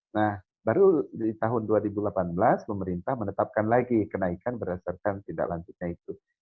nah baru di tahun dua ribu delapan belas pemerintah menetapkan lagi kenaikan berdasarkan tindak lanjutnya itu